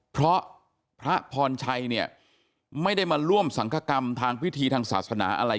เพราะพระพรชัยเนี่ยไม่ได้มาร่วมสังคกรรมทางพิธีทางศาสนาอะไร